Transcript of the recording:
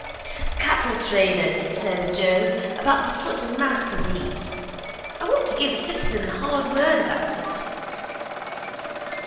—Cattle traders, says Joe, about the foot and mouth disease. I want to give the citizen the hard word about it.